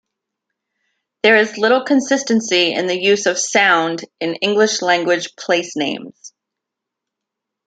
There is little consistency in the use of "sound" in English-language place names.